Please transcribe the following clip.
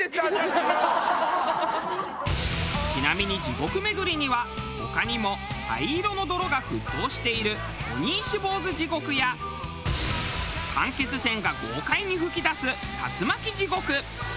ちなみに地獄めぐりには他にも灰色の泥が沸騰している鬼石坊主地獄や間欠泉が豪快に噴き出す龍巻地獄。